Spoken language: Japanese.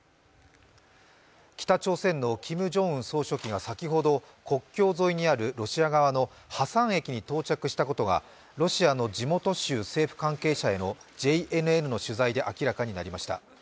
北朝鮮のキム・ジョンウン総書記が先ほど、国境沿いにあるロシア側のハサン駅に到着したことがロシアの地元州政府関係者へのＪＮＮの取材で明らかになりました。